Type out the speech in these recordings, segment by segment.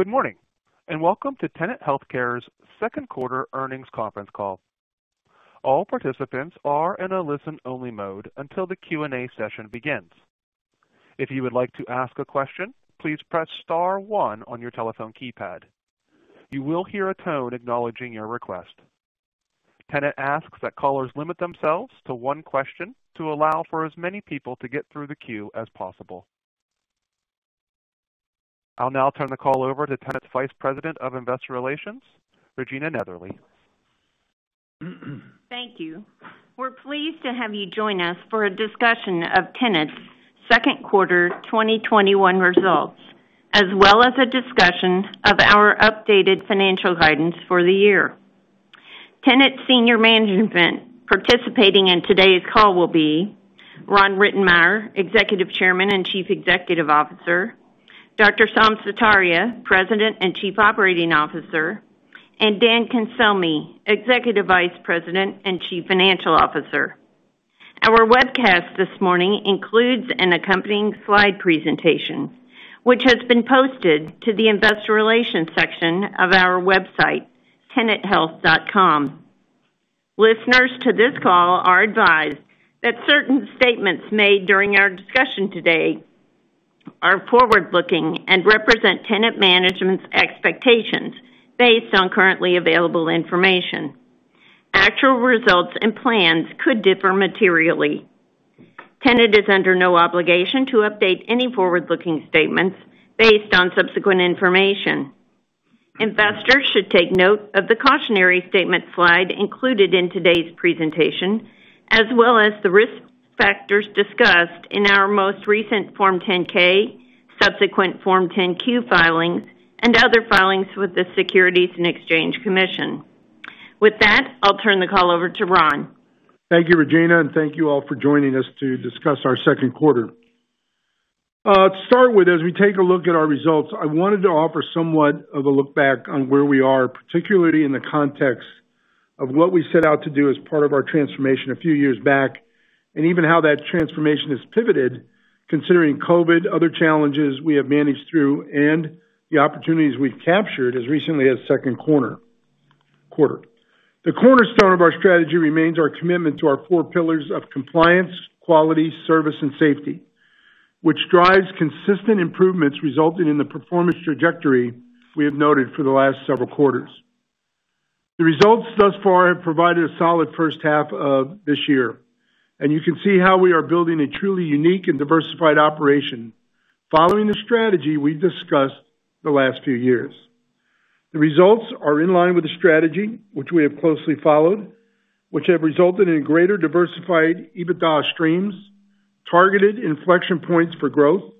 Good morning, and welcome to Tenet Healthcare's Second Quarter Earnings Conference Call. All participants are in a listen-only mode until the Q&A session begins. If you would like to ask a question, please press star one on your telephone keypad. You will hear a tone acknowledging your request. Tenet asks that callers limit themselves to 1 question to allow for as many people to get through the queue as possible. I'll now turn the call over to Tenet's Vice President of Investor Relations, Regina Nethery. Thank you. We're pleased to have you join us for a discussion of Tenet's second quarter 2021 results, as well as a discussion of our updated financial guidance for the year. Tenet senior management participating in today's call will be Ron Rittenmeyer, Executive Chairman and Chief Executive Officer, Dr. Saum Sutaria, President and Chief Operating Officer, and Dan Cancelmi, Executive Vice President and Chief Financial Officer. Our webcast this morning includes an accompanying slide presentation, which has been posted to the investor relations section of our website, tenethealth.com. Listeners to this call are advised that certain statements made during our discussion today are forward-looking and represent Tenet management's expectations based on currently available information. Actual results and plans could differ materially. Tenet is under no obligation to update any forward-looking statements based on subsequent information. Investors should take note of the cautionary statement slide included in today's presentation, as well as the risk factors discussed in our most recent Form 10-K, subsequent Form 10-Q filings, and other filings with the Securities and Exchange Commission. With that, I'll turn the call over to Ron. Thank you, Regina, and thank you all for joining us to discuss our second quarter. To start with, as we take a look at our results, I wanted to offer somewhat of a look back on where we are, particularly in the context of what we set out to do as part of our transformation a few years back, and even how that transformation has pivoted considering COVID, other challenges we have managed through, and the opportunities we've captured as recently as second quarter. The cornerstone of our strategy remains our commitment to our four pillars of compliance, quality, service, and safety, which drives consistent improvements resulting in the performance trajectory we have noted for the last several quarters. The results thus far have provided a solid first half of this year, and you can see how we are building a truly unique and diversified operation following the strategy we've discussed the last few years. The results are in line with the strategy which we have closely followed, which have resulted in greater diversified EBITDA streams, targeted inflection points for growth,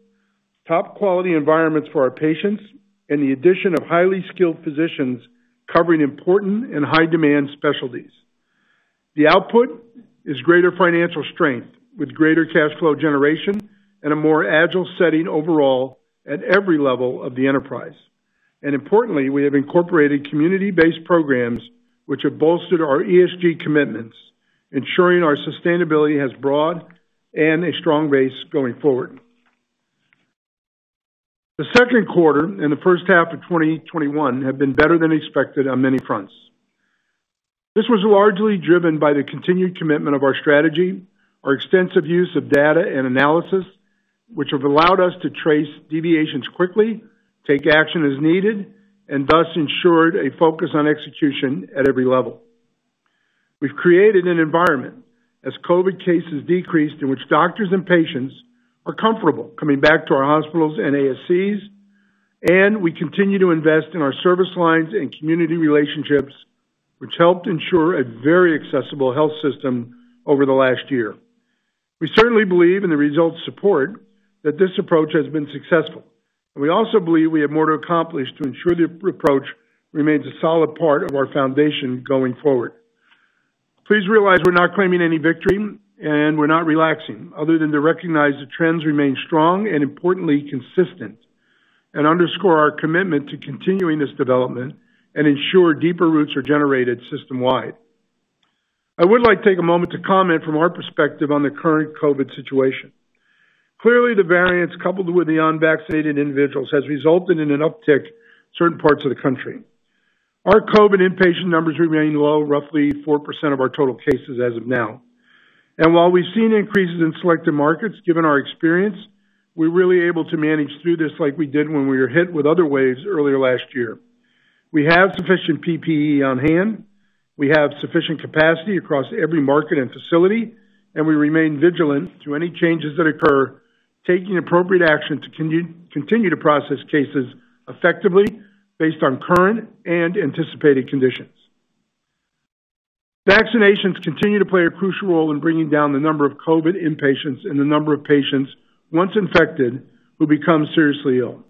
top-quality environments for our patients, and the addition of highly skilled physicians covering important and high-demand specialties. The output is greater financial strength with greater cash flow generation and a more agile setting overall at every level of the enterprise. Importantly, we have incorporated community-based programs which have bolstered our ESG commitments, ensuring our sustainability has broad and a strong base going forward. The second quarter and the first half of 2021 have been better than expected on many fronts. This was largely driven by the continued commitment of our strategy, our extensive use of data and analysis, which have allowed us to trace deviations quickly, take action as needed, and thus ensured a focus on execution at every level. We've created an environment as COVID cases decreased in which doctors and patients are comfortable coming back to our hospitals and ASCs. We continue to invest in our service lines and community relationships, which helped ensure a very accessible health system over the last year. We certainly believe, and the results support, that this approach has been successful. We also believe we have more to accomplish to ensure the approach remains a solid part of our foundation going forward. Please realize we're not claiming any victory, we're not relaxing, other than to recognize the trends remain strong and importantly consistent, and underscore our commitment to continuing this development and ensure deeper roots are generated system-wide. I would like to take a moment to comment from our perspective on the current COVID situation. Clearly, the variants, coupled with the unvaccinated individuals, has resulted in an uptick certain parts of the country. Our COVID inpatient numbers remain low, roughly 4% of our total cases as of now. While we've seen increases in selected markets, given our experience, we're really able to manage through this like we did when we were hit with other waves earlier last year. We have sufficient PPE on hand, we have sufficient capacity across every market and facility, and we remain vigilant to any changes that occur, taking appropriate action to continue to process cases effectively based on current and anticipated conditions. Vaccinations continue to play a crucial role in bringing down the number of COVID inpatients and the number of patients, once infected, who become seriously ill.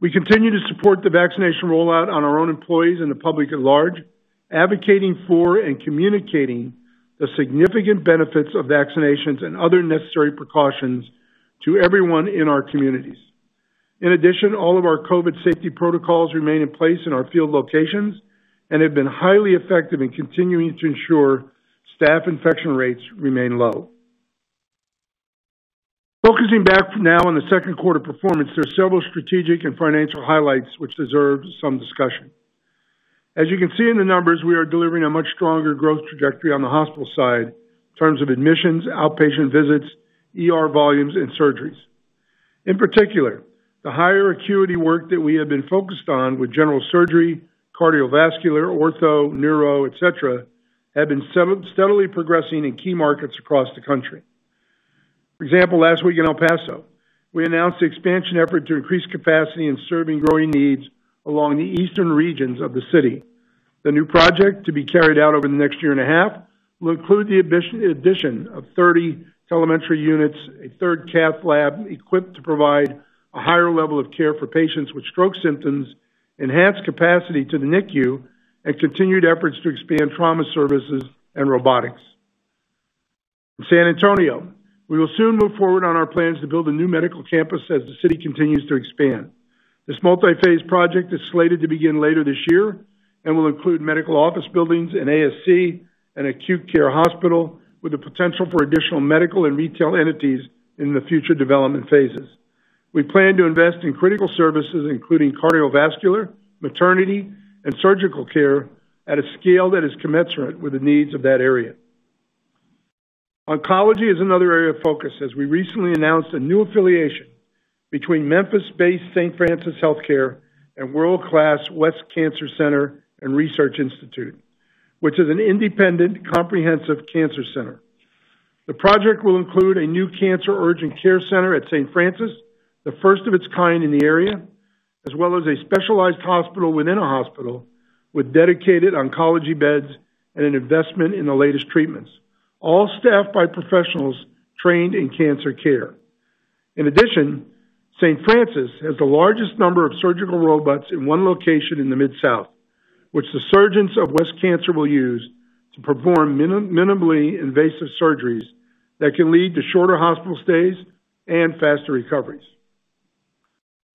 We continue to support the vaccination rollout on our own employees and the public at large, advocating for and communicating the significant benefits of vaccinations and other necessary precautions to everyone in our communities. In addition, all of our COVID safety protocols remain in place in our field locations and have been highly effective in continuing to ensure staff infection rates remain low. Focusing back now on the second quarter performance, there are several strategic and financial highlights which deserve some discussion. As you can see in the numbers, we are delivering a much stronger growth trajectory on the hospital side in terms of admissions, outpatient visits, ER volumes, and surgeries. In particular, the higher acuity work that we have been focused on with general surgery, cardiovascular, ortho, neuro, et cetera, have been steadily progressing in key markets across the country. For example, last week in El Paso, we announced the expansion effort to increase capacity in serving growing needs along the eastern regions of the city. The new project, to be carried out over the next one and a half years, will include the addition of 30 telemetry units, a third cath lab equipped to provide a higher level of care for patients with stroke symptoms, enhanced capacity to the NICU, and continued efforts to expand trauma services and robotics. In San Antonio, we will soon move forward on our plans to build a new medical campus as the city continues to expand. This multi-phase project is slated to begin later this year and will include medical office buildings, an ASC, an acute care hospital with the potential for additional medical and retail entities in the future development phases. We plan to invest in critical services, including cardiovascular, maternity, and surgical care at a scale that is commensurate with the needs of that area. Oncology is another area of focus, as we recently announced a new affiliation between Memphis-based Saint Francis Healthcare and world-class West Cancer Center and Research Institute, which is an independent comprehensive cancer center. The project will include a new cancer urgent care center at St. Francis, the first of its kind in the area, as well as a specialized hospital within a hospital with dedicated oncology beds and an investment in the latest treatments, all staffed by professionals trained in cancer care. In addition, St. Francis has the largest number of surgical robots in one location in the Mid-South, which the surgeons of West Cancer will use to perform minimally invasive surgeries that can lead to shorter hospital stays and faster recoveries.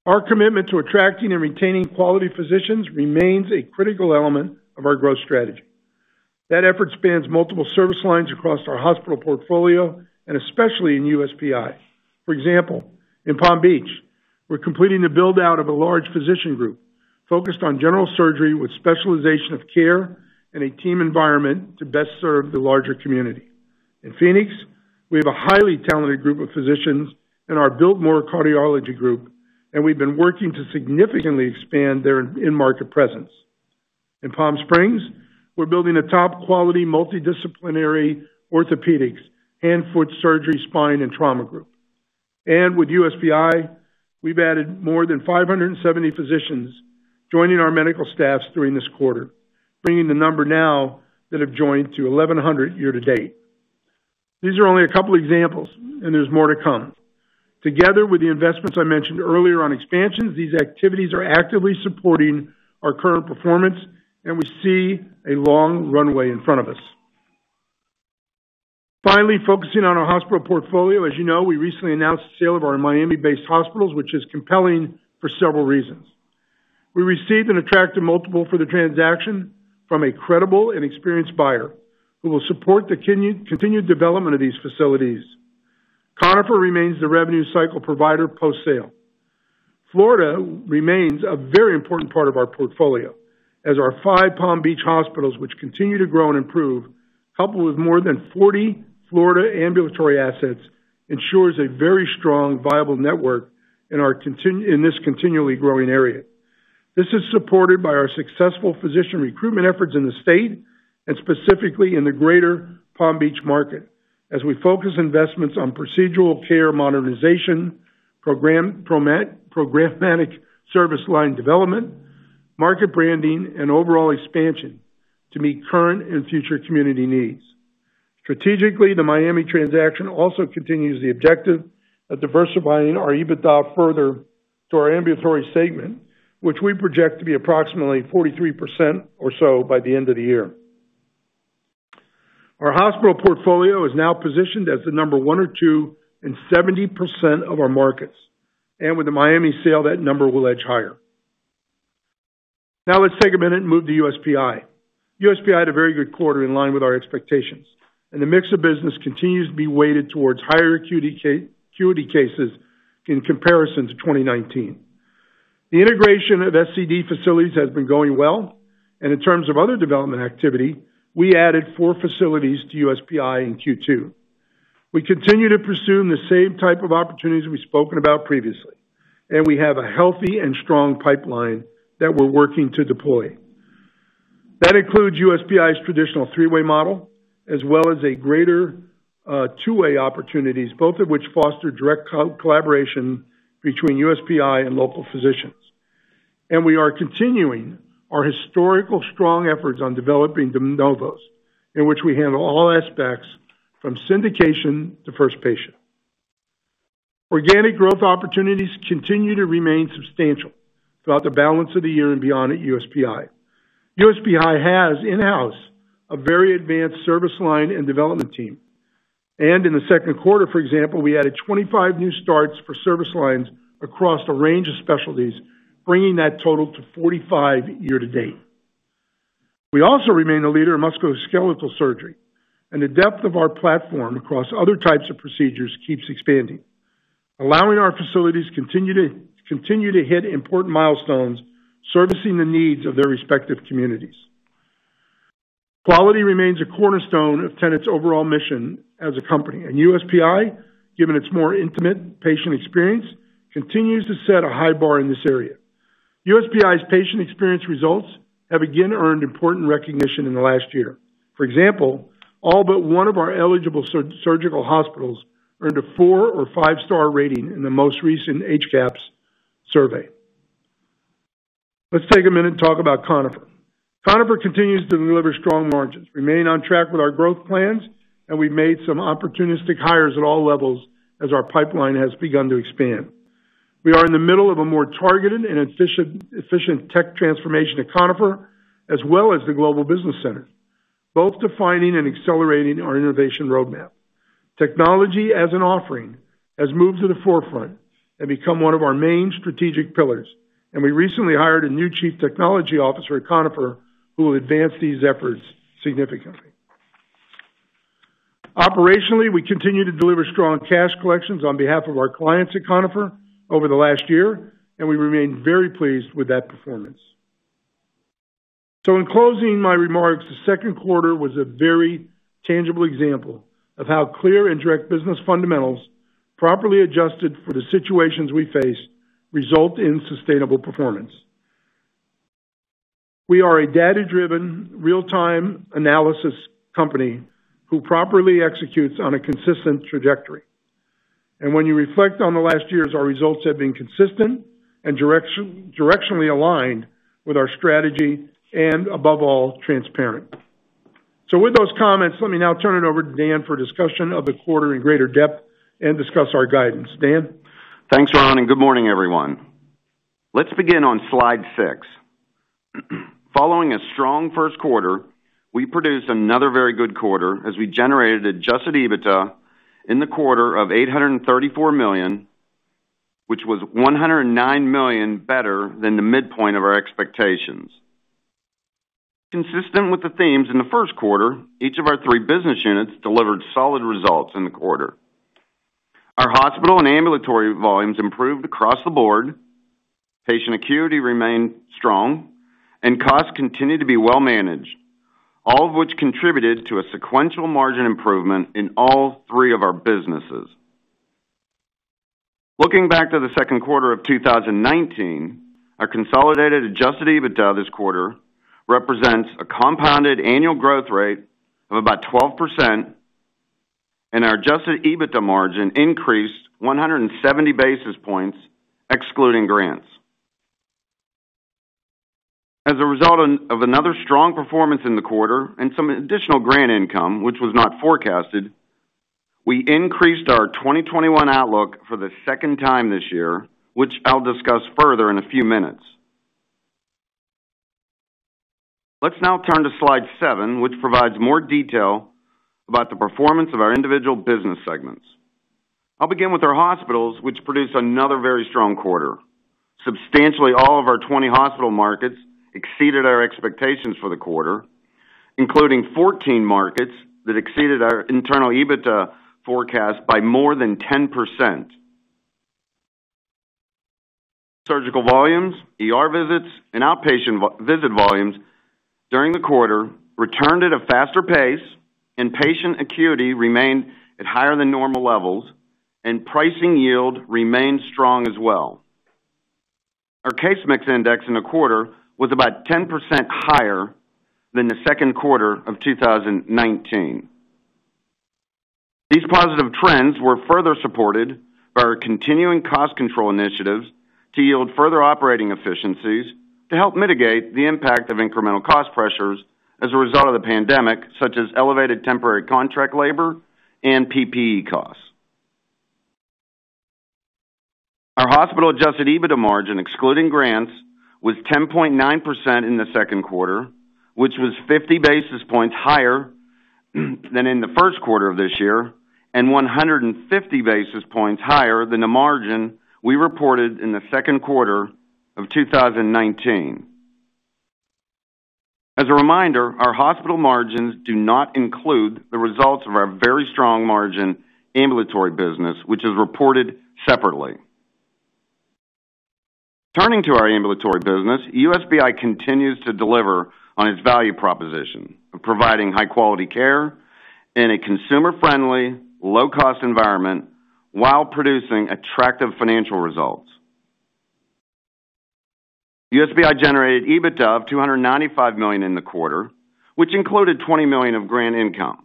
Our commitment to attracting and retaining quality physicians remains a critical element of our growth strategy. That effort spans multiple service lines across our hospital portfolio and especially in USPI. For example, in Palm Beach, we're completing the build-out of a large physician group focused on general surgery with specialization of care and a team environment to best serve the larger community. In Phoenix, we have a highly talented group of physicians in our Biltmore Cardiology group. We've been working to significantly expand their in-market presence. In Palm Springs, we're building a top-quality, multidisciplinary orthopedics, hand, foot surgery, spine, and trauma group. With USPI, we've added more than 570 physicians joining our medical staffs during this quarter, bringing the number now that have joined to 1,100 year to date. These are only a couple examples, and there's more to come. Together with the investments I mentioned earlier on expansions, these activities are actively supporting our current performance, and we see a long runway in front of us. Finally, focusing on our hospital portfolio, as you know, we recently announced the sale of our Miami-based hospitals, which is compelling for several reasons. We received an attractive multiple for the transaction from a credible and experienced buyer who will support the continued development of these facilities. Conifer remains the revenue cycle provider post-sale. Florida remains a very important part of our portfolio as our five Palm Beach hospitals, which continue to grow and improve, coupled with more than 40 Florida ambulatory assets, ensures a very strong, viable network in this continually growing area. This is supported by our successful physician recruitment efforts in the state and specifically in the greater Palm Beach market as we focus investments on procedural care modernization, programmatic service line development, market branding, and overall expansion to meet current and future community needs. Strategically, the Miami transaction also continues the objective of diversifying our EBITDA further to our ambulatory segment, which we project to be approximately 43% or so by the end of the year. Our hospital portfolio is now positioned as the number one or two in 70% of our markets. With the Miami sale, that number will edge higher. Now let's take a minute and move to USPI. USPI had a very good quarter in line with our expectations, and the mix of business continues to be weighted towards higher acuity cases in comparison to 2019. The integration of SCD facilities has been going well, and in terms of other development activity, we added four facilities to USPI in Q2. We continue to pursue the same type of opportunities we've spoken about previously, and we have a healthy and strong pipeline that we're working to deploy. That includes USPI's traditional three-way model, as well as a greater two-way opportunities, both of which foster direct collaboration between USPI and local physicians. We are continuing our historical strong efforts on developing de novos, in which we handle all aspects from syndication to first patient. Organic growth opportunities continue to remain substantial throughout the balance of the year and beyond at USPI. USPI has in-house a very advanced service line and development team. In the second quarter, for example, we added 25 new starts for service lines across a range of specialties, bringing that total to 45 year to date. We also remain a leader in musculoskeletal surgery, and the depth of our platform across other types of procedures keeps expanding, allowing our facilities to continue to hit important milestones, servicing the needs of their respective communities. Quality remains a cornerstone of Tenet's overall mission as a company, and USPI, given its more intimate patient experience, continues to set a high bar in this area. USPI's patient experience results have again earned important recognition in the last year. For example, all but one of our eligible surgical hospitals earned a four or five-star rating in the most recent HCAHPS survey. Let's take a minute and talk about Conifer. Conifer continues to deliver strong margins, remain on track with our growth plans, and we've made some opportunistic hires at all levels as our pipeline has begun to expand. We are in the middle of a more targeted and efficient tech transformation at Conifer, as well as the Global Business Center, both defining and accelerating our innovation roadmap. Technology as an offering has moved to the forefront and become 1 of our main strategic pillars, and we recently hired a new Chief Technology Officer at Conifer who will advance these efforts significantly. Operationally, we continue to deliver strong cash collections on behalf of our clients at Conifer over the last year, and we remain very pleased with that performance. In closing my remarks, the second quarter was a very tangible example of how clear and direct business fundamentals, properly adjusted for the situations we face, result in sustainable performance. We are a data-driven, real-time analysis company who properly executes on a consistent trajectory. When you reflect on the last years, our results have been consistent and directionally aligned with our strategy, and above all, transparent. With those comments, let me now turn it over to Dan for discussion of the quarter in greater depth and discuss our guidance. Dan? Thanks, Ron. Good morning, everyone. Let's begin on slide 6. Following a strong first quarter, we produced another very good quarter as we generated adjusted EBITDA in the quarter of $834 million, which was $109 million better than the midpoint of our expectations. Consistent with the themes in the first quarter, each of our three business units delivered solid results in the quarter. Our hospital and ambulatory volumes improved across the board, patient acuity remained strong, and costs continued to be well managed, all of which contributed to a sequential margin improvement in all three of our businesses. Looking back to the second quarter of 2019, our consolidated adjusted EBITDA this quarter represents a compounded annual growth rate of about 12%, and our adjusted EBITDA margin increased 170 basis points excluding grants. As a result of another strong performance in the quarter and some additional grant income, which was not forecasted, we increased our 2021 outlook for the second time this year, which I'll discuss further in a few minutes. Let's now turn to slide seven, which provides more detail about the performance of our individual business segments. I'll begin with our hospitals, which produced another very strong quarter. Substantially all of our 20 hospital markets exceeded our expectations for the quarter, including 14 markets that exceeded our internal EBITDA forecast by more than 10%. Surgical volumes, ER visits, and outpatient visit volumes during the quarter returned at a faster pace, and patient acuity remained at higher than normal levels, and pricing yield remained strong as well. Our case mix index in the quarter was about 10% higher than the second quarter of 2019. These positive trends were further supported by our continuing cost control initiatives to yield further operating efficiencies to help mitigate the impact of incremental cost pressures as a result of the pandemic, such as elevated temporary contract labor and PPE costs. Our hospital adjusted EBITDA margin, excluding grants, was 10.9% in the second quarter, which was 50 basis points higher than in the first quarter of this year and 150 basis points higher than the margin we reported in the second quarter of 2019. As a reminder, our hospital margins do not include the results of our very strong margin ambulatory business, which is reported separately. Turning to our ambulatory business, USPI continues to deliver on its value proposition of providing high-quality care in a consumer-friendly, low-cost environment while producing attractive financial results. USPI generated EBITDA of $295 million in the quarter, which included $20 million of grant income.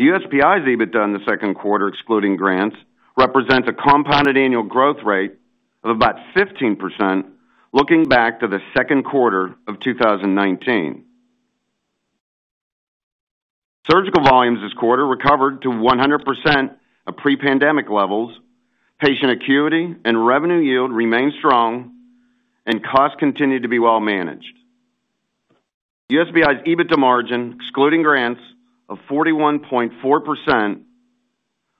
USPI's EBITDA in the second quarter, excluding grants, represents a compounded annual growth rate of about 15% looking back to the second quarter of 2019. Surgical volumes this quarter recovered to 100% of pre-pandemic levels. Patient acuity and revenue yield remained strong, and costs continued to be well managed. USPI's EBITDA margin, excluding grants, of 41.4%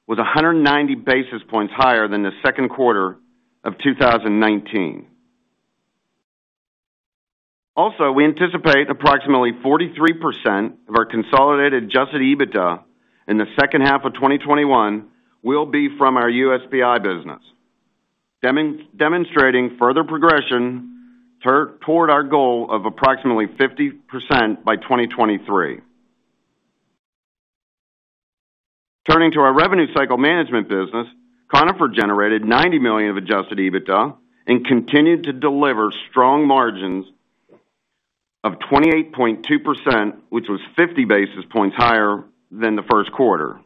was 190 basis points higher than the second quarter of 2019. We anticipate approximately 43% of our consolidated adjusted EBITDA in the second half of 2021 will be from our USPI business, demonstrating further progression toward our goal of approximately 50% by 2023. Turning to our revenue cycle management business, Conifer generated $90 million of adjusted EBITDA and continued to deliver strong margins of 28.2%, which was 50 basis points higher than the first quarter.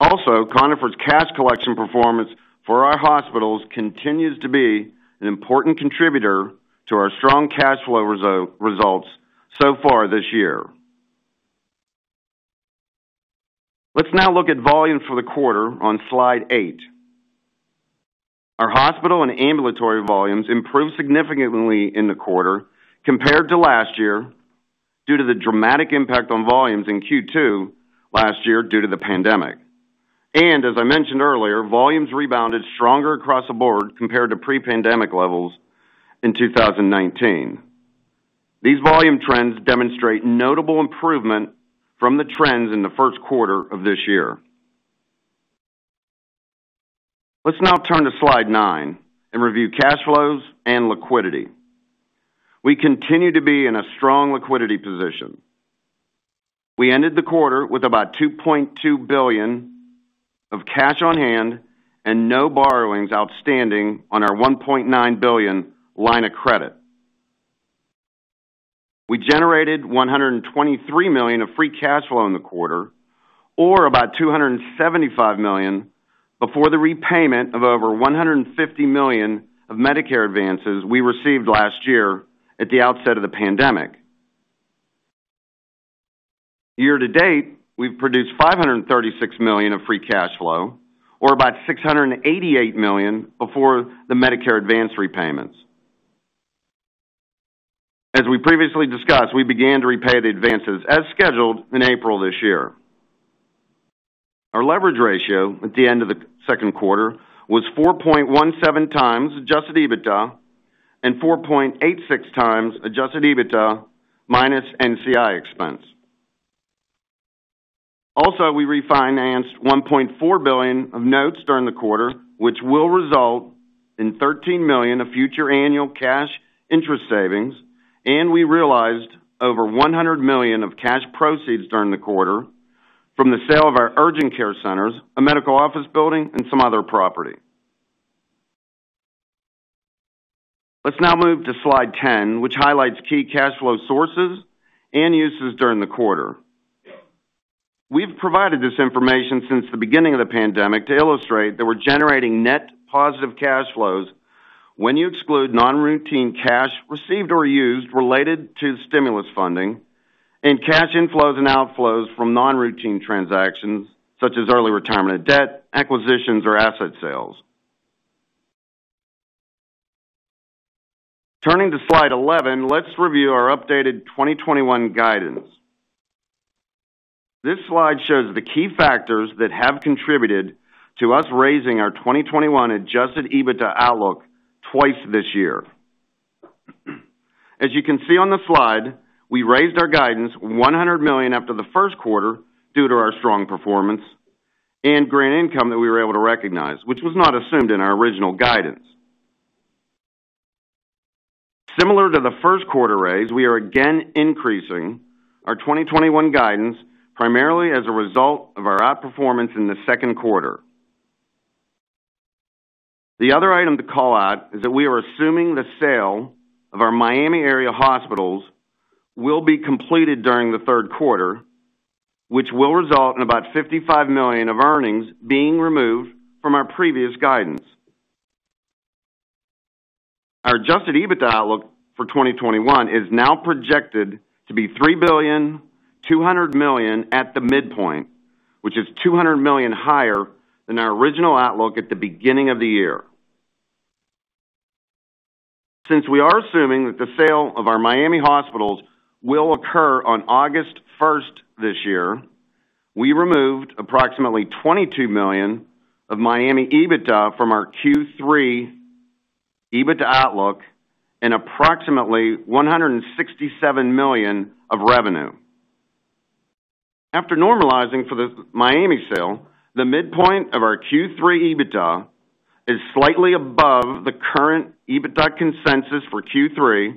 Conifer's cash collection performance for our hospitals continues to be an important contributor to our strong cash flow results so far this year. Let's now look at volume for the quarter on Slide eight. Our hospital and ambulatory volumes improved significantly in the quarter compared to last year due to the dramatic impact on volumes in Q2 last year due to the pandemic. As I mentioned earlier, volumes rebounded stronger across the board compared to pre-pandemic levels in 2019. These volume trends demonstrate notable improvement from the trends in the first quarter of this year. Let's now turn to Slide nine and review cash flows and liquidity. We continue to be in a strong liquidity position. We ended the quarter with about $2.2 billion of cash on hand and no borrowings outstanding on our $1.9 billion line of credit. We generated $123 million of free cash flow in the quarter, or about $275 million before the repayment of over $150 million of Medicare advances we received last year at the outset of the pandemic. Year to date, we've produced $536 million of free cash flow, or about $688 million before the Medicare advance repayments. As we previously discussed, we began to repay the advances as scheduled in April this year. Our leverage ratio at the end of the second quarter was 4.17x adjusted EBITDA and 4.86x adjusted EBITDA minus NCI expense. Also, we refinanced $1.4 billion of notes during the quarter, which will result in $13 million of future annual cash interest savings, and we realized over $100 million of cash proceeds during the quarter from the sale of our urgent care centers, a medical office building and some other property. Let's now move to Slide 10, which highlights key cash flow sources and uses during the quarter. We've provided this information since the beginning of the pandemic to illustrate that we're generating net positive cash flows when you exclude non-routine cash received or used related to stimulus funding and cash inflows and outflows from non-routine transactions such as early retirement of debt, acquisitions or asset sales. Turning to Slide 11, let's review our updated 2021 guidance. This slide shows the key factors that have contributed to us raising our 2021 adjusted EBITDA outlook twice this year. As you can see on the slide, we raised our guidance $100 million after the first quarter due to our strong performance and grant income that we were able to recognize, which was not assumed in our original guidance. Similar to the first quarter raise, we are again increasing our 2021 guidance primarily as a result of our outperformance in the second quarter. The other item to call out is that we are assuming the sale of our Miami-area hospitals will be completed during the third quarter, which will result in about $55 million of earnings being removed from our previous guidance. Our adjusted EBITDA outlook for 2021 is now projected to be $3.2 billion at the midpoint, which is $200 million higher than our original outlook at the beginning of the year. Since we are assuming that the sale of our Miami hospitals will occur on August 1st this year, we removed approximately $22 million of Miami EBITDA from our Q3 EBITDA outlook and approximately $167 million of revenue. After normalizing for the Miami sale, the midpoint of our Q3 EBITDA is slightly above the current EBITDA consensus for Q3.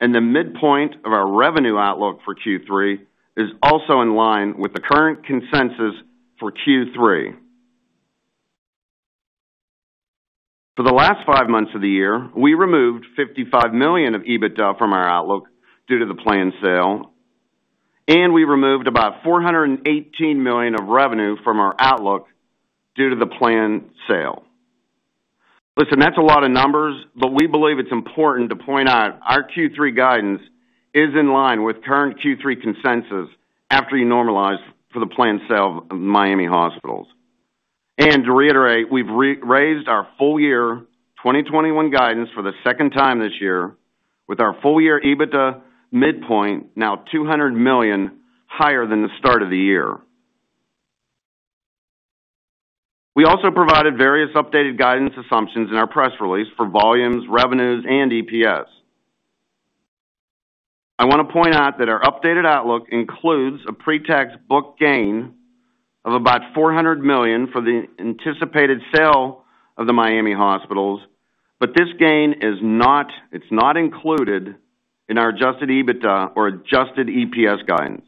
The midpoint of our revenue outlook for Q3 is also in line with the current consensus for Q3. For the last five months of the year, we removed $55 million of EBITDA from our outlook due to the planned sale. We removed about $418 million of revenue from our outlook due to the planned sale. Listen, that's a lot of numbers, we believe it's important to point out our Q3 guidance is in line with current Q3 consensus after you normalize for the planned sale of Miami hospitals. To reiterate, we've raised our full year 2021 guidance for the second time this year, with our full year EBITDA midpoint now $200 million higher than the start of the year. We also provided various updated guidance assumptions in our press release for volumes, revenues, and EPS. I want to point out that our updated outlook includes a pre-tax book gain of about $400 million for the anticipated sale of the Miami hospitals. This gain is not included in our adjusted EBITDA or adjusted EPS guidance.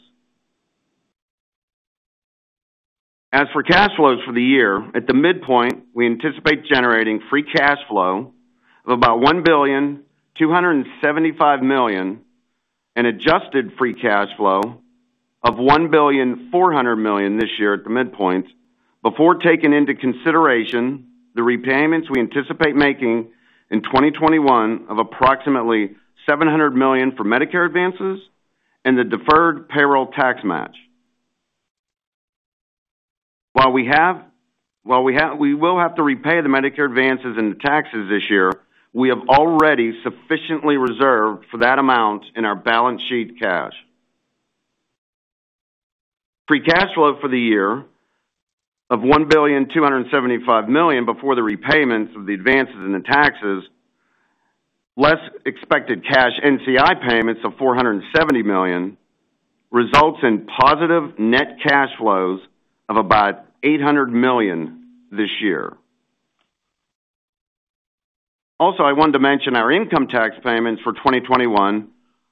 As for cash flows for the year, at the midpoint, we anticipate generating free cash flow of about $1.275 billion and adjusted free cash flow of $1.4 billion this year at the midpoint, before taking into consideration the repayments we anticipate making in 2021 of approximately $700 million for Medicare advances and the deferred payroll tax match. While we will have to repay the Medicare advances and the taxes this year, we have already sufficiently reserved for that amount in our balance sheet cash. Free cash flow for the year of $1.275 billion before the repayments of the advances in the taxes, less expected cash NCI payments of $470 million, results in positive net cash flows of about $800 million this year. I wanted to mention our income tax payments for 2021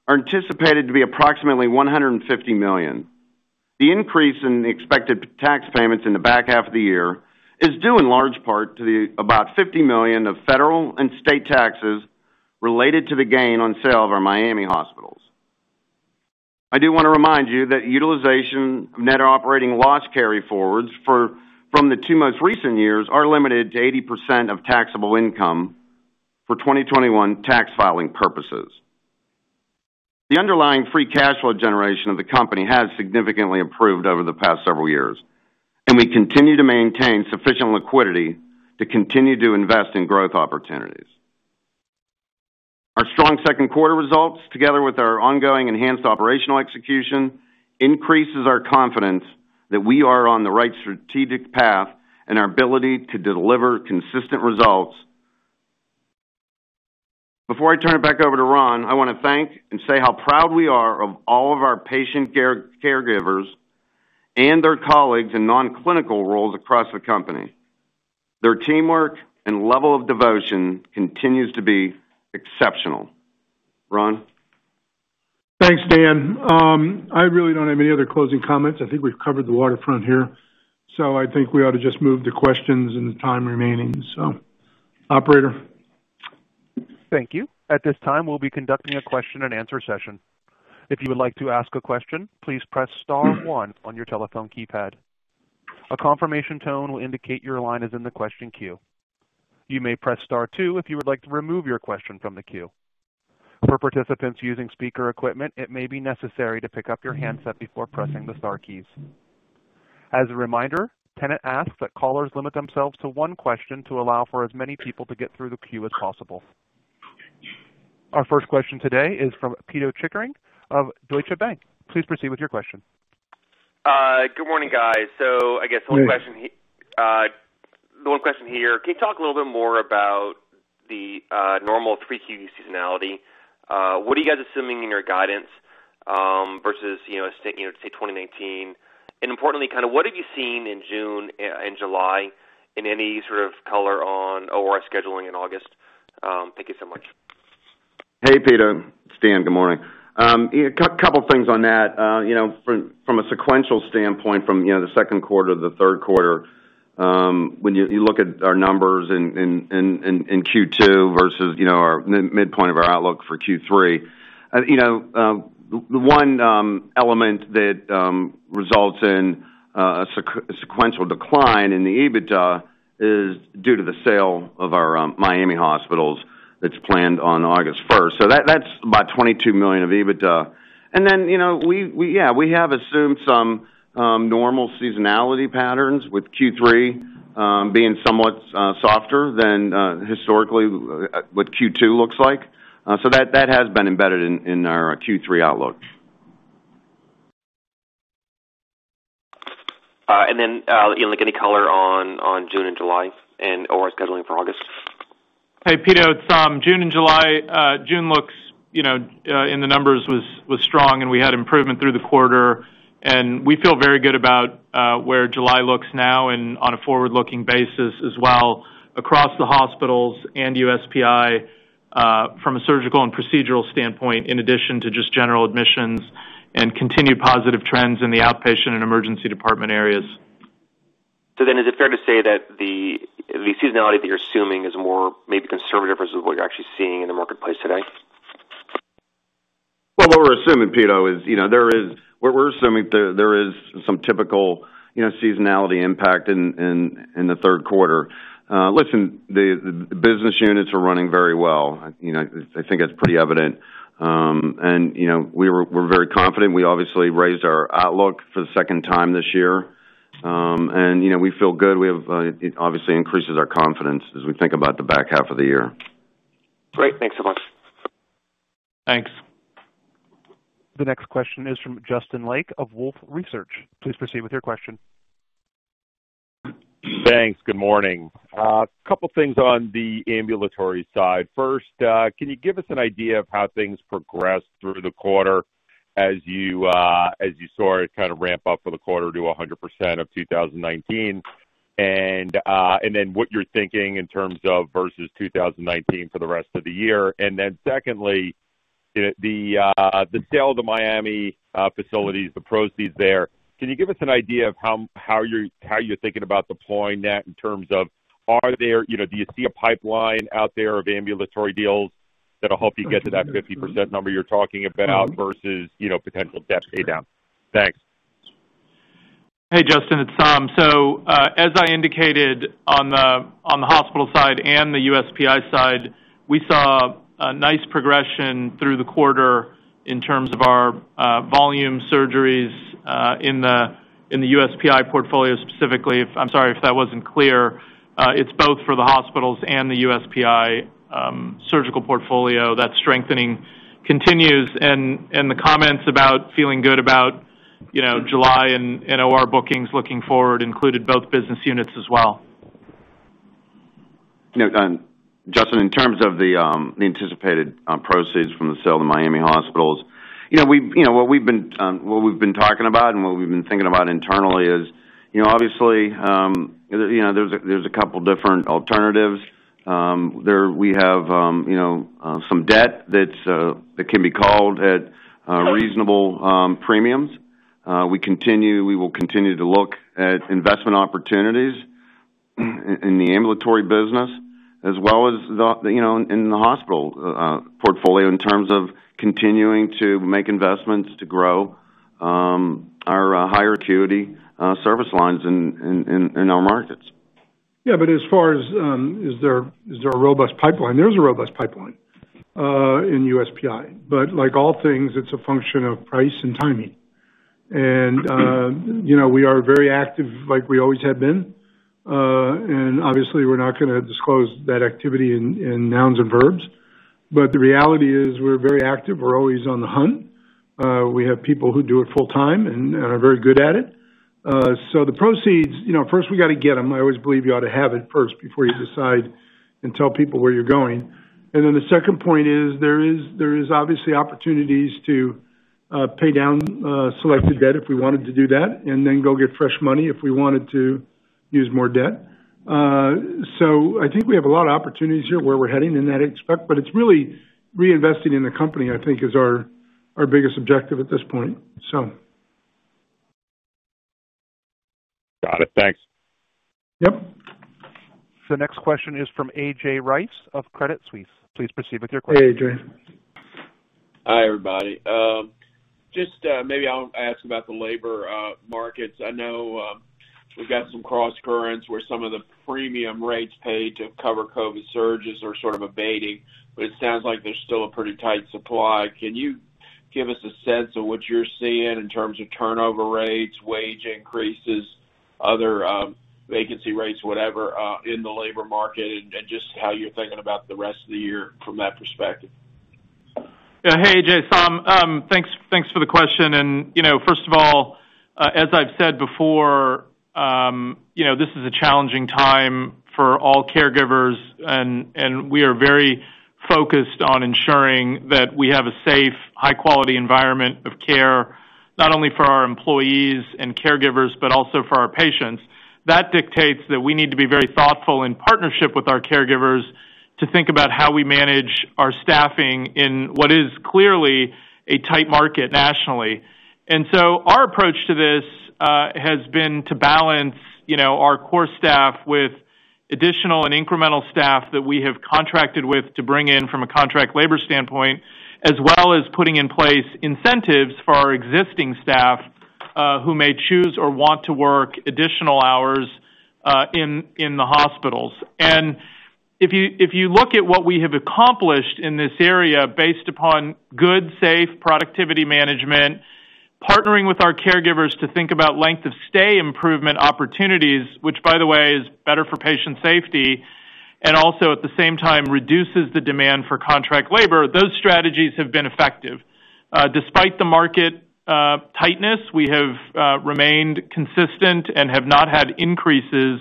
are anticipated to be approximately $150 million. The increase in expected tax payments in the back half of the year is due in large part to the about $50 million of federal and state taxes related to the gain on sale of our Miami hospitals. I do want to remind you that utilization of net operating loss carryforwards from the two most recent years are limited to 80% of taxable income for 2021 tax filing purposes. The underlying free cash flow generation of the company has significantly improved over the past several years, and we continue to maintain sufficient liquidity to continue to invest in growth opportunities. Our strong second quarter results, together with our ongoing enhanced operational execution, increases our confidence that we are on the right strategic path and our ability to deliver consistent results. Before I turn it back over to Ron, I want to thank and say how proud we are of all of our patient caregivers and their colleagues in non-clinical roles across the company. Their teamwork and level of devotion continues to be exceptional. Ron Thanks, Dan. I really don't have any other closing comments. I think we've covered the waterfront here. I think we ought to just move to questions in the time remaining. Operator. Thank you. At this time, we'll be conducting a question and answer session. If you would like to ask a question, please press star one on your telephone keypad. A confirmation tone will indicate your line is in the question queue. You may press star two if you would like to remove your question from the queue. For participants using speaker equipment, it may be necessary to pick up your handset before pressing the star keys. As a reminder, Tenet asks that callers limit themselves to one question to allow for as many people to get through the queue as possible. Our first question today is from Pito Chickering of Deutsche Bank. Please proceed with your question. Good morning, guys. I guess one question here. Can you talk a little bit more about the normal 3Q seasonality? What are you guys assuming in your guidance versus, say, 2019? Importantly, what have you seen in June and July, and any sort of color on OR scheduling in August? Thank you so much. Hey, Pito. It's Dan, good morning. A couple things on that. From a sequential standpoint, from the second quarter to the third quarter, when you look at our numbers in Q2 versus our midpoint of our outlook for Q3, the one element that results in a sequential decline in the EBITDA is due to the sale of our Miami hospitals that's planned on August 1st. That's about $22 million of EBITDA. We have assumed some normal seasonality patterns, with Q3 being somewhat softer than historically what Q2 looks like. That has been embedded in our Q3 outlook. Any color on June and July, and OR scheduling for August? Hey, Pito, it's Saum. June and July. June looks in the numbers was strong, and we had improvement through the quarter, and we feel very good about where July looks now and on a forward-looking basis as well across the hospitals and USPI from a surgical and procedural standpoint, in addition to just general admissions and continued positive trends in the outpatient and emergency department areas. Is it fair to say that the seasonality that you're assuming is more maybe conservative versus what you're actually seeing in the marketplace today? What we're assuming, Pito, is there is some typical seasonality impact in the third quarter. The business units are running very well. I think that's pretty evident. We're very confident. We obviously raised our outlook for the second time this year. We feel good. It obviously increases our confidence as we think about the back half of the year. Great. Thanks so much. Thanks. The next question is from Justin Lake of Wolfe Research. Please proceed with your question. Thanks. Good morning. A couple things on the ambulatory side. First, can you give us an idea of how things progressed through the quarter as you saw it kind of ramp up for the quarter to 100% of 2019, and then what you're thinking in terms of versus 2019 for the rest of the year? Secondly, the sale of the Miami facilities, the proceeds there, can you give us an idea of how you're thinking about deploying that in terms of, do you see a pipeline out there of ambulatory deals that'll help you get to that 50% number you're talking about versus potential debt pay down? Thanks. Hey, Justin, it's Saum. As I indicated on the hospital side and the USPI side, we saw a nice progression through the quarter in terms of our volume surgeries, in the USPI portfolio specifically. I'm sorry if that wasn't clear. It's both for the hospitals and the USPI surgical portfolio. That strengthening continues and the comments about feeling good about July and OR bookings looking forward included both business units as well. Justin, in terms of the anticipated proceeds from the sale of the Miami hospitals, what we've been talking about and what we've been thinking about internally is, obviously, there's a couple different alternatives. We have some debt that can be called at reasonable premiums. We will continue to look at investment opportunities in the ambulatory business as well as in the hospital portfolio in terms of continuing to make investments to grow our higher acuity service lines in our markets. Yeah, as far as is there a robust pipeline? There's a robust pipeline in USPI. Like all things, it's a function of price and timing. We are very active like we always have been. Obviously we're not going to disclose that activity in nouns and verbs. The reality is we're very active. We're always on the hunt. We have people who do it full time and are very good at it. The proceeds, first we got to get them. I always believe you ought to have it first before you decide and tell people where you're going. The second point is there is obviously opportunities to pay down selected debt if we wanted to do that, and then go get fresh money if we wanted to use more debt. I think we have a lot of opportunities here where we're heading in that aspect, but it's really reinvesting in the company, I think is our biggest objective at this point. Got it. Thanks. Yep. The next question is from A.J. Rice of Credit Suisse. Please proceed with your question. Hey, A.J. Hi, everybody. Maybe I'll ask about the labor markets. I know we've got some cross currents where some of the premium rates paid to cover COVID surges are sort of abating, but it sounds like there's still a pretty tight supply. Can you give us a sense of what you're seeing in terms of turnover rates, wage increases, other vacancy rates, whatever, in the labor market, and just how you're thinking about the rest of the year from that perspective? Hey, A.J., it's Saum. Thanks for the question. First of all, as I've said before, this is a challenging time for all caregivers, and we are very focused on ensuring that we have a safe, high-quality environment of care, not only for our employees and caregivers, but also for our patients. That dictates that we need to be very thoughtful in partnership with our caregivers to think about how we manage our staffing in what is clearly a tight market nationally. Our approach to this has been to balance our core staff with additional and incremental staff that we have contracted with to bring in from a contract labor standpoint, as well as putting in place incentives for our existing staff, who may choose or want to work additional hours in the hospitals. If you look at what we have accomplished in this area based upon good, safe productivity management, partnering with our caregivers to think about length of stay improvement opportunities, which by the way, is better for patient safety, and also at the same time reduces the demand for contract labor, those strategies have been effective. Despite the market tightness, we have remained consistent and have not had increases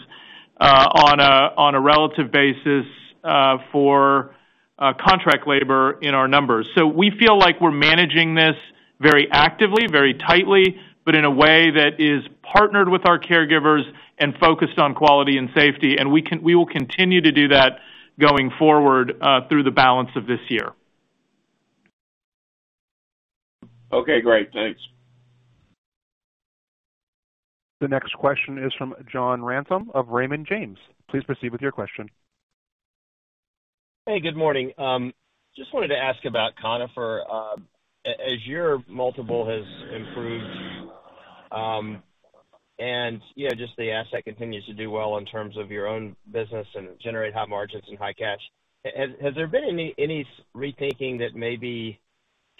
on a relative basis for contract labor in our numbers. We feel like we're managing this very actively, very tightly, but in a way that is partnered with our caregivers and focused on quality and safety. We will continue to do that going forward through the balance of this year. Okay, great. Thanks. The next question is from John Ransom of Raymond James. Please proceed with your question. Hey, good morning. Just wanted to ask about Conifer. As your multiple has improved and just the asset continues to do well in terms of your own business and generate high margins and high cash. Has there been any rethinking that maybe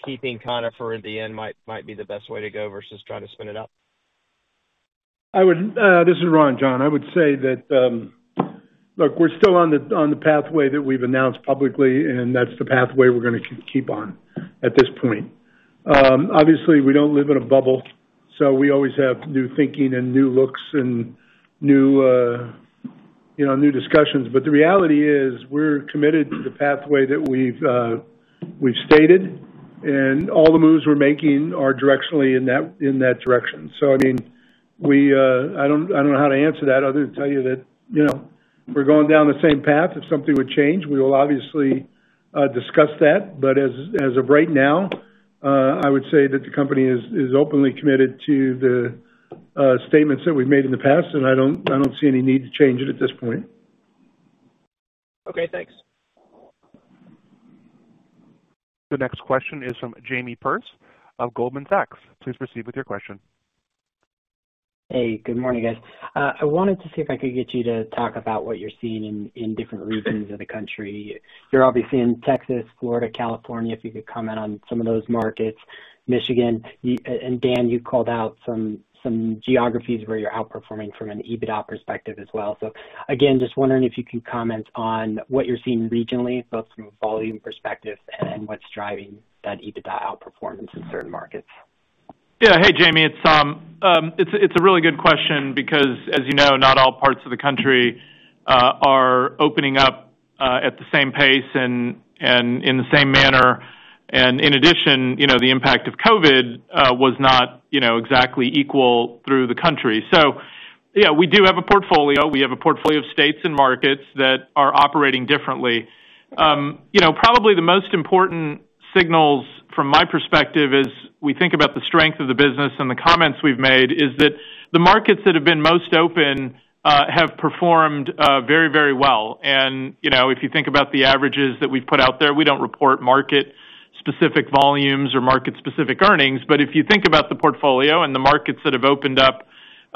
keeping Conifer in the end might be the best way to go versus trying to spin it up? This is Ron, John. I would say that, look, we're still on the pathway that we've announced publicly, and that's the pathway we're going to keep on at this point. Obviously, we don't live in a bubble, so we always have new thinking and new looks and new discussions. The reality is we're committed to the pathway that we've stated, and all the moves we're making are directionally in that direction. I don't know how to answer that other than tell you that we're going down the same path. If something would change, we will obviously discuss that. As of right now, I would say that the company is openly committed to the statements that we've made in the past, and I don't see any need to change it at this point. Okay, thanks. The next question is from Jamie Perse of Goldman Sachs. Please proceed with your question. Hey, good morning, guys. I wanted to see if I could get you to talk about what you're seeing in different regions of the country. You're obviously in Texas, Florida, California. If you could comment on some of those markets, Michigan. Dan, you called out some geographies where you're outperforming from an EBITDA perspective as well. Again, just wondering if you can comment on what you're seeing regionally, both from a volume perspective and what's driving that EBITDA outperformance in certain markets. Hey, Jamie. It's a really good question because, as you know, not all parts of the country are opening up at the same pace and in the same manner. In addition, the impact of COVID was not exactly equal through the country. We do have a portfolio. We have a portfolio of states and markets that are operating differently. Probably the most important signals from my perspective is we think about the strength of the business and the comments we've made is that the markets that have been most open have performed very well. If you think about the averages that we've put out there, we don't report market-specific volumes or market-specific earnings. If you think about the portfolio and the markets that have opened up,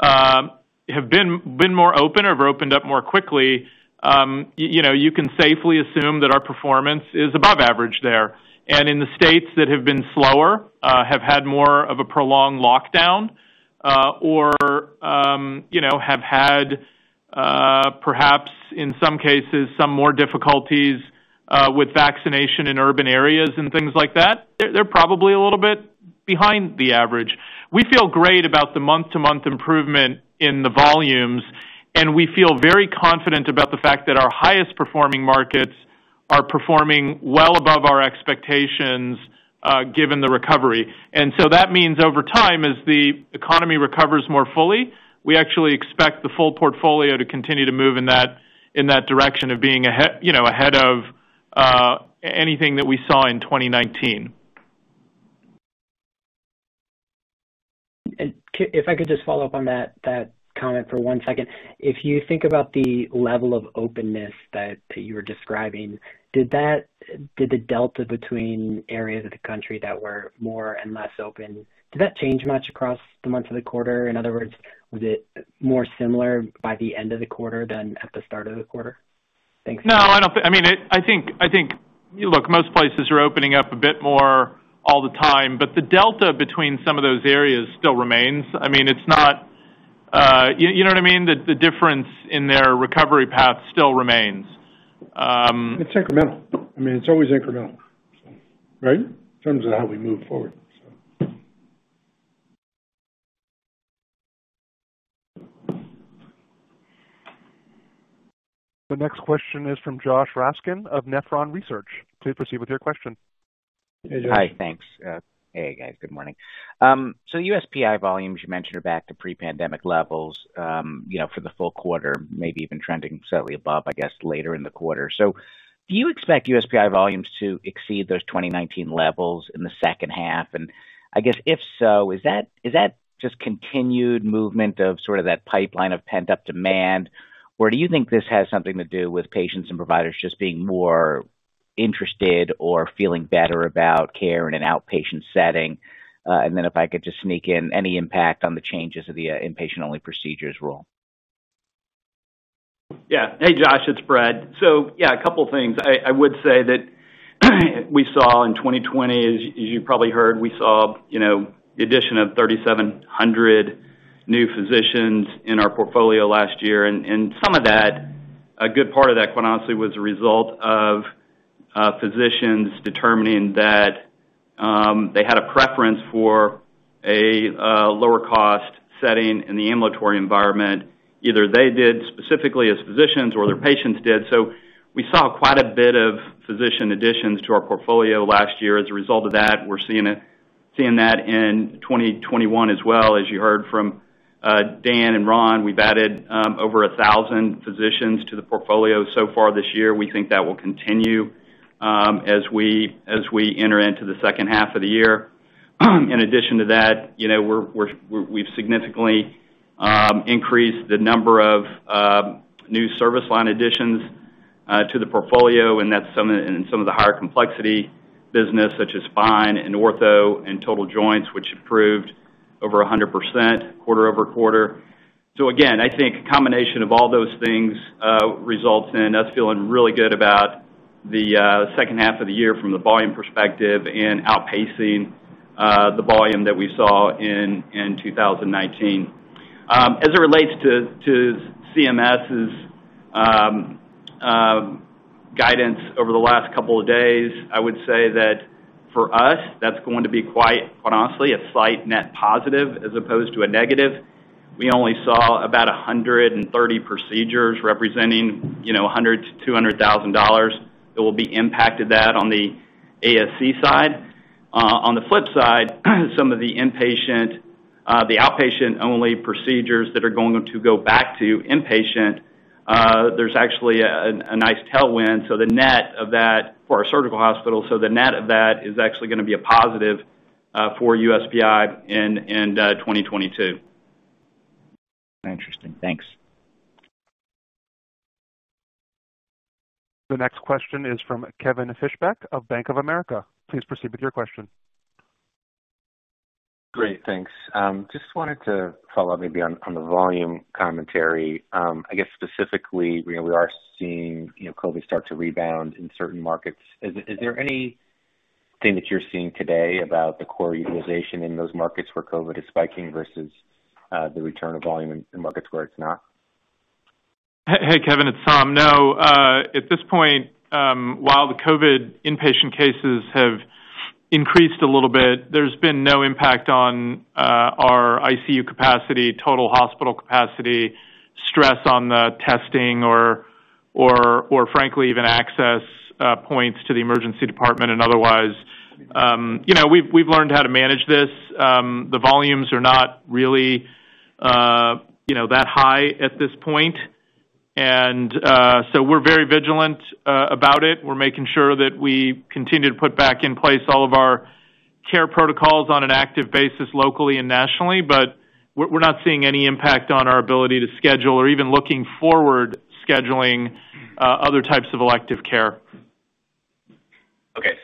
have been more open or have opened up more quickly, you can safely assume that our performance is above average there. In the states that have been slower, have had more of a prolonged lockdown, or have had perhaps in some cases some more difficulties with vaccination in urban areas and things like that, they're probably a little bit behind the average. We feel great about the month-to-month improvement in the volumes, and we feel very confident about the fact that our highest performing markets are performing well above our expectations given the recovery. That means over time, as the economy recovers more fully, we actually expect the full portfolio to continue to move in that direction of being ahead of anything that we saw in 2019. If I could just follow up on that comment for one second. If you think about the level of openness that you were describing, did the delta between areas of the country that were more and less open, did that change much across the months of the quarter? In other words, was it more similar by the end of the quarter than at the start of the quarter? Thanks. No. Look, most places are opening up a bit more all the time, but the delta between some of those areas still remains. You know what I mean? The difference in their recovery path still remains. It's incremental. It's always incremental. Right? In terms of how we move forward. The next question is from Josh Raskin of Nephron Research. Please proceed with your question. Hey, Josh. Hi. Thanks. Hey, guys. Good morning. USPI volumes you mentioned are back to pre-pandemic levels for the full quarter, maybe even trending slightly above, I guess, later in the quarter. Do you expect USPI volumes to exceed those 2019 levels in the second half? I guess if so, is that just continued movement of sort of that pipeline of pent-up demand, or do you think this has something to do with patients and providers just being more interested or feeling better about care in an outpatient setting? Then if I could just sneak in any impact on the changes of the inpatient-only procedures rule. Hey, Josh, it's Brett. A couple things. I would say that we saw in 2020, as you probably heard, we saw the addition of 3,700 new physicians in our portfolio last year. Some of that, a good part of that, quite honestly, was a result of physicians determining that they had a preference for a lower cost setting in the ambulatory environment. Either they did specifically as physicians or their patients did. We saw quite a bit of physician additions to our portfolio last year. As a result of that, we're seeing that in 2021 as well. As you heard from Dan and Ron, we've added over 1,000 physicians to the portfolio so far this year. We think that will continue as we enter into the second half of the year. In addition to that, we've significantly increased the number of new service line additions to the portfolio, and that's in some of the higher complexity business such as spine and ortho and total joints, which improved over 100% quarter-over-quarter. Again, I think a combination of all those things results in us feeling really good about the second half of the year from the volume perspective and outpacing the volume that we saw in 2019. As it relates to CMS's guidance over the last couple of days, I would say that for us, that's going to be quite honestly a slight net positive as opposed to a negative. We only saw about 130 procedures representing, $100,000-$200,000 that will be impacted that on the ASC side. On the flip side, some of the inpatient, the outpatient-only procedures that are going to go back to inpatient, there's actually a nice tailwind. The net of that for our surgical hospital is actually going to be a positive for USPI in 2022. Interesting. Thanks. The next question is from Kevin Fischbeck of Bank of America. Please proceed with your question. Great. Thanks. Just wanted to follow up maybe on the volume commentary. I guess specifically, we are seeing COVID start to rebound in certain markets. Is there anything that you're seeing today about the core utilization in those markets where COVID is spiking versus, the return of volume in markets where it's not? Hey, Kevin, it's Saum. No. At this point, while the COVID inpatient cases have increased a little bit, there's been no impact on our ICU capacity, total hospital capacity, stress on the testing or frankly, even access points to the emergency department and otherwise. We've learned how to manage this. The volumes are not really that high at this point. We're very vigilant about it. We're making sure that we continue to put back in place all of our care protocols on an active basis locally and nationally. We're not seeing any impact on our ability to schedule or even looking forward scheduling other types of elective care. Okay.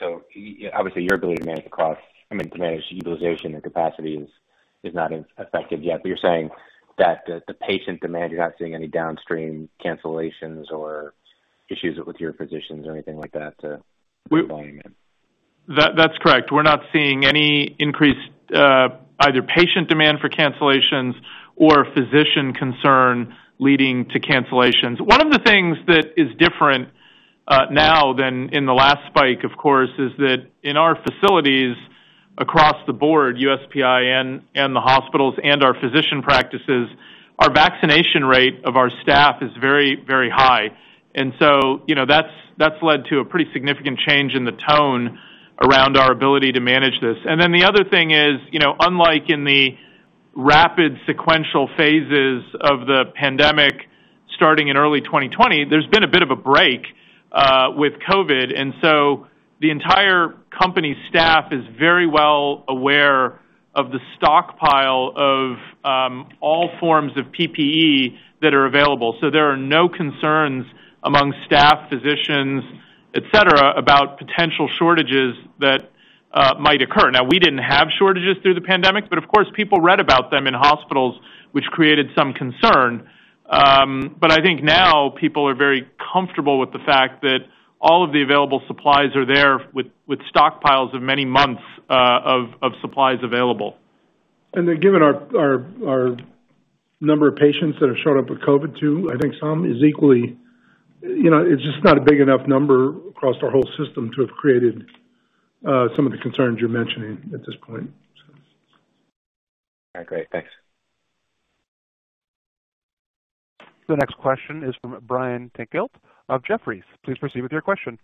Obviously your ability to manage the cost, I mean, to manage utilization and capacity is not affected yet. You're saying that the patient demand, you're not seeing any downstream cancellations or issues with your physicians or anything like that to volume it? That's correct. We're not seeing any increased, either patient demand for cancellations or physician concern leading to cancellations. One of the things that is different now than in the last spike, of course, is that in our facilities across the board, USPI and the hospitals and our physician practices, our vaccination rate of our staff is very, very high. That's led to a pretty significant change in the tone around our ability to manage this. The other thing is, unlike in the rapid sequential phases of the pandemic starting in early 2020, there's been a bit of a break, with COVID. The entire company staff is very well aware of the stockpile of all forms of PPE that are available. There are no concerns among staff, physicians, et cetera, about potential shortages that might occur. We didn't have shortages through the pandemic. Of course, people read about them in hospitals, which created some concern. I think now people are very comfortable with the fact that all of the available supplies are there with stockpiles of many months of supplies available. Given our number of patients that have shown up with COVID, too, I think some is equally, it's just not a big enough number across our whole system to have created some of the concerns you're mentioning at this point. All right, great. Thanks. The next question is from Brian Tanquilut of Jefferies. Please proceed with your question.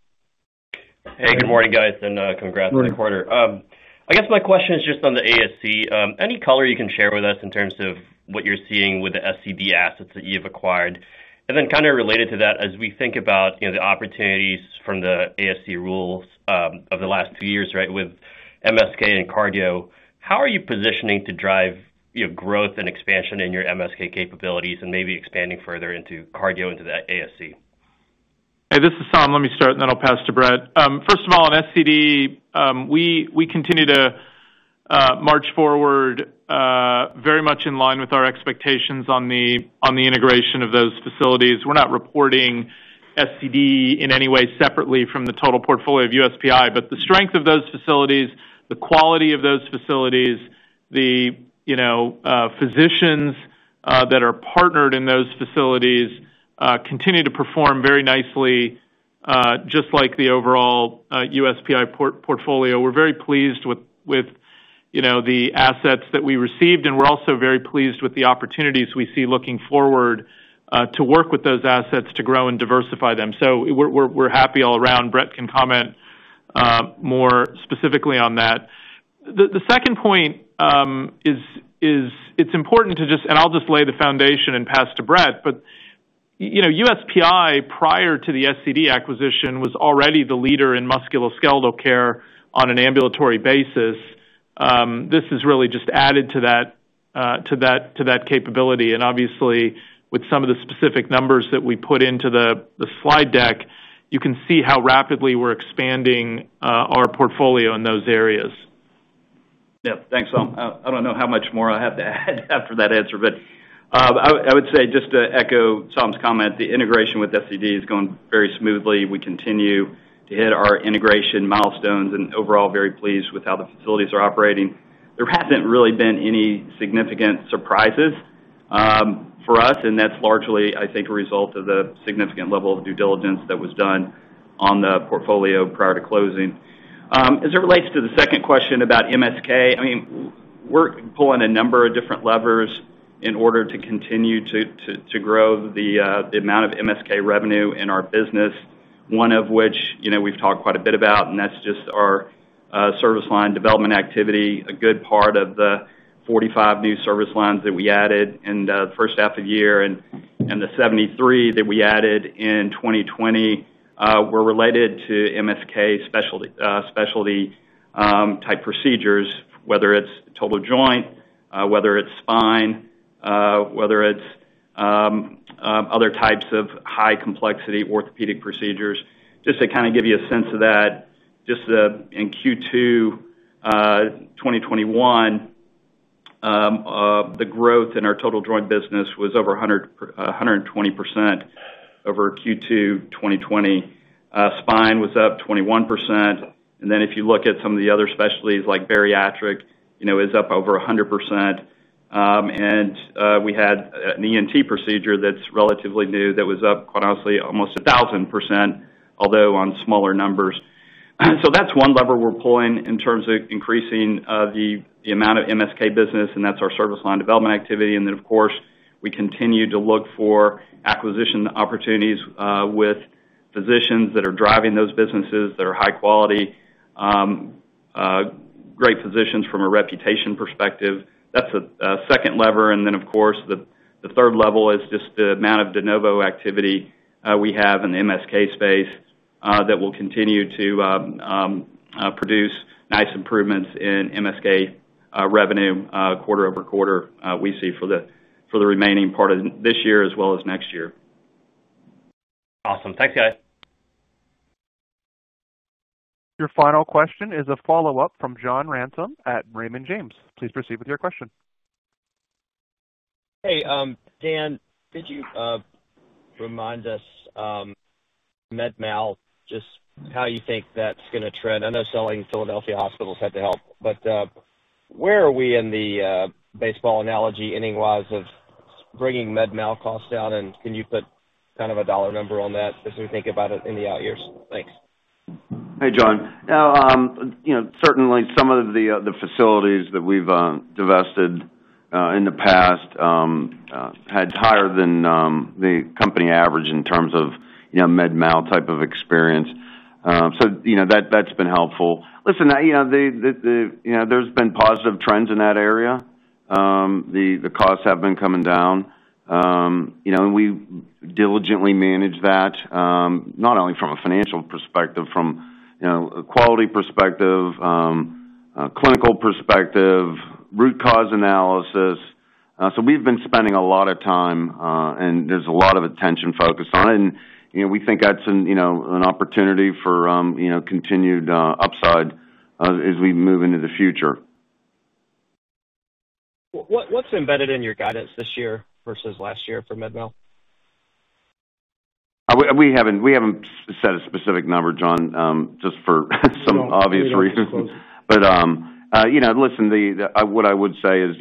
Hey, good morning, guys. Congrats on the quarter. I guess my question is just on the ASC. Any color you can share with us in terms of what you're seeing with the SCD assets that you've acquired? Kind of related to that, as we think about the opportunities from the ASC rules, of the last two years, right, with MSK and cardio, how are you positioning to drive growth and expansion in your MSK capabilities and maybe expanding further into cardio into the ASC? Hey, this is Saum. Let me start, and then I'll pass to Brett. First of all, on SCD, we continue to march forward, very much in line with our expectations on the integration of those facilities. We're not reporting SCD in any way separately from the total portfolio of USPI, but the strength of those facilities, the quality of those facilities, the physicians that are partnered in those facilities, continue to perform very nicely, just like the overall USPI portfolio. We're very pleased with the assets that we received, and we're also very pleased with the opportunities we see looking forward, to work with those assets to grow and diversify them. We're happy all around. Brett can comment more specifically on that. The second point is, it's important to, and I'll lay the foundation and pass to Brett. USPI, prior to the SCD acquisition, was already the leader in musculoskeletal care on an ambulatory basis. This has really just added to that capability. Obviously, with some of the specific numbers that we put into the slide deck, you can see how rapidly we're expanding our portfolio in those areas. Yeah, thanks, Saum. I don't know how much more I have to add after that answer. I would say, just to echo Saum's comment, the integration with SCD is going very smoothly. We continue to hit our integration milestones. Overall, very pleased with how the facilities are operating. There hasn't really been any significant surprises for us, and that's largely, I think, a result of the significant level of due diligence that was done on the portfolio prior to closing. As it relates to the second question about MSK, we're pulling a number of different levers in order to continue to grow the amount of MSK revenue in our business, one of which we've talked quite a bit about, and that's just our service line development activity. A good part of the 45 new service lines that we added in the first half of the year and the 73 that we added in 2020, were related to MSK specialty type procedures, whether it's total joint, whether it's spine, whether it's other types of high complexity orthopedic procedures. Just to give you a sense of that, just in Q2 2021, the growth in our total joint business was over 120% over Q2 2020. Spine was up 21%. If you look at some of the other specialties, like bariatric, is up over 100%. We had an ENT procedure that's relatively new that was up, quite honestly, almost 1,000%, although on smaller numbers. That's one lever we're pulling in terms of increasing the amount of MSK business, and that's our service line development activity. Of course, we continue to look for acquisition opportunities with physicians that are driving those businesses, that are high quality, great physicians from a reputation perspective. That's a second lever. Of course, the third lever is just the amount of de novo activity we have in the MSK space, that will continue to produce nice improvements in MSK revenue quarter-over-quarter, we see for the remaining part of this year as well as next year. Awesome. Thanks, guys. Your final question is a follow-up from John Ransom at Raymond James. Please proceed with your question. Hey, Dan, could you remind us, med mal, just how you think that's going to trend? I know selling Philadelphia hospitals had to help. Where are we in the baseball analogy, inning-wise, of bringing med mal costs down? Can you put a dollar number on that as we think about it in the out years? Thanks. Hey, John. Certainly, some of the facilities that we've divested in the past had higher than the company average in terms of med mal type of experience. That's been helpful. Listen, there's been positive trends in that area. The costs have been coming down. We diligently manage that, not only from a financial perspective, from a quality perspective, clinical perspective, root cause analysis. We've been spending a lot of time, and there's a lot of attention focused on it. We think that's an opportunity for continued upside as we move into the future. What's embedded in your guidance this year versus last year for med mal? We haven't set a specific number, John, just for some obvious reasons. Listen, what I would say is,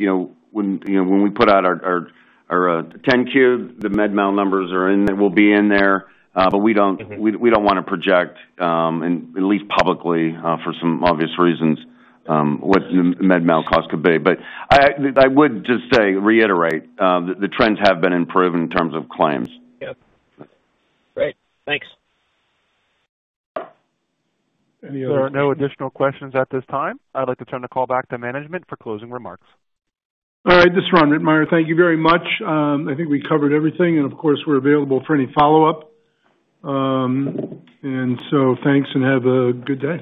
when we put out our 10-Q, the med mal numbers will be in there. We don't want to project, at least publicly, for some obvious reasons, what med mal costs could be. I would just say, reiterate, the trends have been improving in terms of claims. Yep. Great. Thanks. There are no additional questions at this time. I'd like to turn the call back to management for closing remarks. All right. This is Ron Rittenmeyer. Thank you very much. I think we covered everything, and of course, we're available for any follow-up. Thanks and have a good day.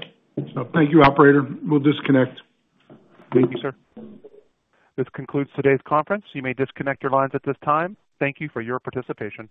Thank you, operator. We'll disconnect. Thank you, sir. This concludes today's conference. You may disconnect your lines at this time. Thank you for your participation.